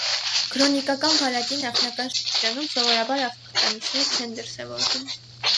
Քրոնիկական վարակի նախնական շրջանում սովորաբար ախտանիշներ չեն դրսևորվում։